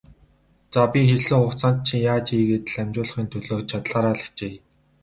За, би хэлсэн хугацаанд чинь яаж ийгээд л амжуулахын төлөө чадахаараа л хичээе.